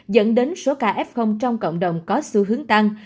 dẫn đến số ca f trong cộng đồng có xu hướng tăng